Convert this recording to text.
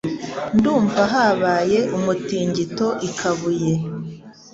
Ndumva habaye umutingito ikabuye.